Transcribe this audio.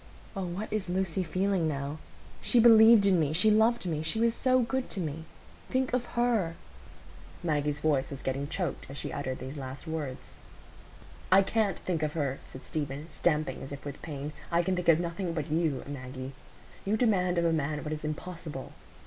Oh, what is Lucy feeling now? She believed in me—she loved me—she was so good to me. Think of her——" Maggie's voice was getting choked as she uttered these last words. "I can't think of her," said Stephen, stamping as if with pain. "I can think of nothing but you, Maggie. You demand of a man what is impossible.